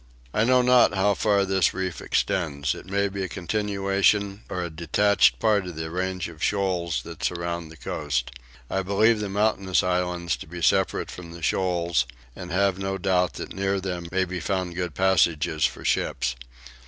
I know not how far this reef extends. It may be a continuation or a detached part of the range of shoals that surround the coast. I believe the mountainous islands to be separate from the shoals, and have no doubt that near them may be found good passages for ships.